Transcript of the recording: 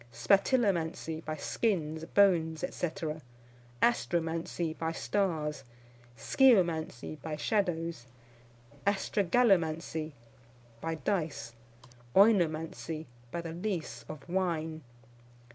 Spatilomancy, by skins, bones, &c. Astromancy, by stars. Sciomancy, by shadows. Astragalomancy, by dice. Oinomancy, by the lees of wine.